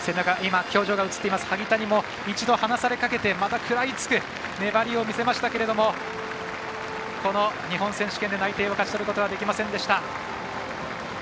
萩谷も一度離されかけてまた食らいつく粘りを見せましたがこの日本選手権で内定を勝ち取ることはできませんでした。